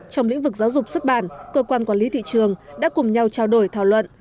trong lĩnh vực giáo dục xuất bản cơ quan quản lý thị trường đã cùng nhau trao đổi thảo luận